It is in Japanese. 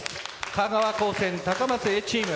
香川高専高松Ａチーム。